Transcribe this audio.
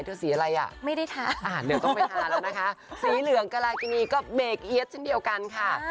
เธอสีอะไรอ่ะอ่าเดี๋ยวต้องไปทานแล้วนะคะสีเหลืองก็เบคเอี๊ยดทั้งเดียวกันค่ะ